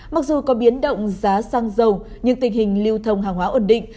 mặc dù có biến động giá xăng dầu nhưng tình hình lưu thông hàng hóa ổn định